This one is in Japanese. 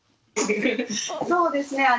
そうですね。